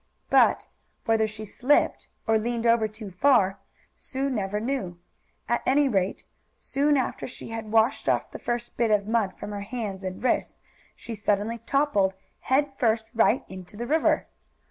But, whether she slipped, or leaned over too far, Sue never knew. At any rate, soon after she had washed off the first bit of mud from her hands and wrists, she suddenly toppled, head first, right into the river!